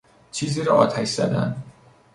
چیزی را آتش زدن